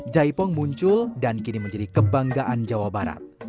jaipong muncul dan kini menjadi kebanggaan jawa barat